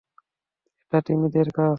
এটা তিমিদের কাজ!